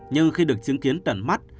nhưng khi được chứng kiến tận mắt